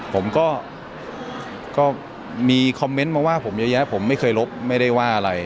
ผมก็มีคอมเมนต์มาว่าผมเยอะแยะผมไม่เคยลบไม่ได้ว่าอะไร